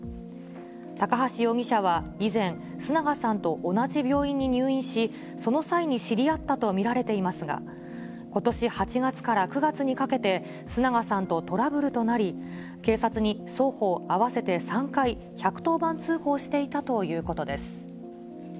高橋容疑者は以前、須永さんと同じ病院に入院し、その際に知り合ったと見られていますが、ことし８月から９月にかけて、須永さんとトラブルとなり、警察に双方合わせて３回、１１０番通報していたということです。